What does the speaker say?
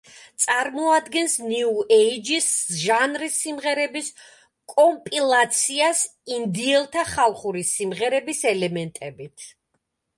წარმოადგენს ნიუ ეიჯის ჟანრის სიმღერების კომპილაციას, ინდიელთა ხალხური სიმღერების ელემენტებით.